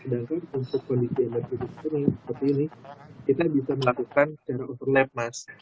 sedangkan untuk kondisi energi listrik seperti ini kita bisa melakukan secara overlap mas